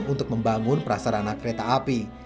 untuk membangun prasarana kereta api